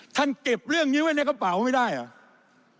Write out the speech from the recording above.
เก็บเรื่องนี้ไว้ในกระเป๋าไม่ได้เหรอ